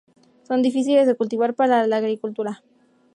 Son difíciles de cultivar para la agricultura.